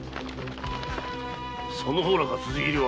その方らか辻斬りは？